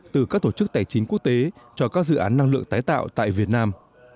từ các tổ chức tài chính quốc tế cho các dự án năng lượng tái tạo tại việt nam